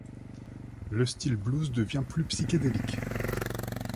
Le style blues devient plus psychédélique.